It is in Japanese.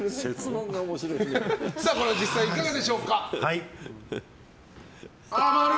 実際いかがでしょうか。